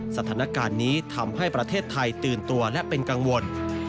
สถานการณ์นี้ทำให้ประเทศไทยตื่นตัวและเป็นกังวล